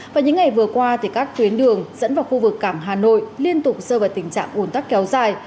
và những ngày vừa qua các tuyến đường dẫn vào khu vực cảng hà nội liên tục rơi vào tình trạng ồn tắc kéo dài